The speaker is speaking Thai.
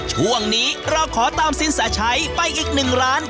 ช่วงนี้เราขอตามสินแสชัยไปอีกหนึ่งร้าน